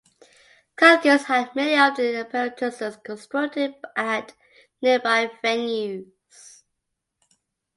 Calkins had many of the apparatuses constructed at nearby venues.